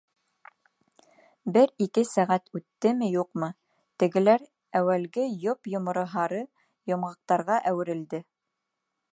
Бер-ике сәғәт үттеме-юҡмы, тегеләр әүәлге йоп-йомро һары йомғаҡтарға әүерелде.